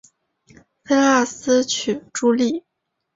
菲腊斯娶茱莉。